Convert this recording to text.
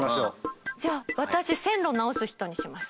じゃあ私線路を直す人にします。